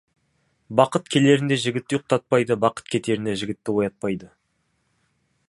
Бақыт келерінде жігітті ұйықтатпайды, бақыт кетерінде жігітті оятпайды.